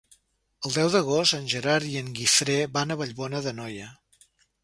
El deu d'agost en Gerard i en Guifré van a Vallbona d'Anoia.